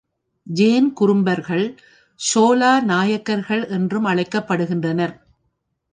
Jane குறும்பர்கள், ஷோலா நாயக்கர்கள் என்றும் அழைக்கப்படுகின்றனர்.